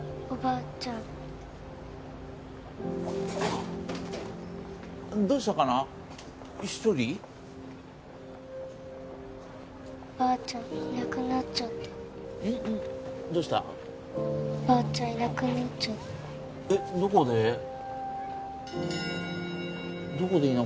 おばあちゃんいなくなっちゃったえっどこで？